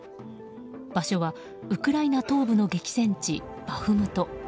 場所はウクライナ東部の激戦地バフムト。